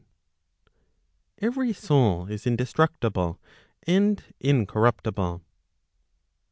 Every soul is indestructible, and incorruptible.